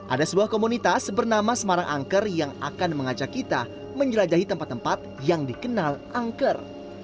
ada sebuah komunitas bernama semarang angker yang akan mengajak kita menjelajahi tempat tempat yang dikenal angker